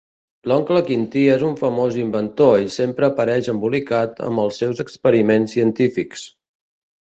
L'Oncle Quintí és un famós inventor i sempre apareix embolicat amb els seus experiments científics.